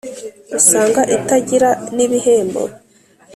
usanga itagira n’ibihembo,